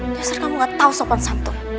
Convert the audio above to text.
nyesel kamu gak tau sopan santun